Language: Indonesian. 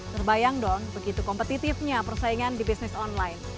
terbayang dong begitu kompetitifnya persaingan di bisnis online